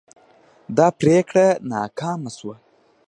دا پریکړه ناکامه شوه.